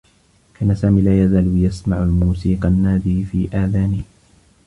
كان سامي لا يزال يسمع موسيقى النّادي في آذانه.